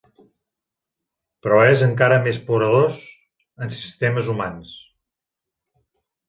Però és encara més poderós en sistemes humans.